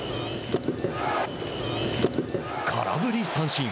空振り三振。